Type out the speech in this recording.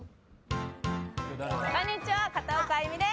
こんにちは、片岡安祐美です。